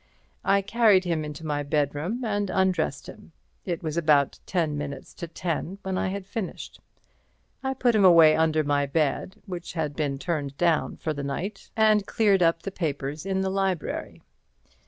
I carried him into my bedroom and undressed him. It was about ten minutes to ten when I had finished. I put him away under my bed, which had been turned down for the night, and cleared up the papers in the library.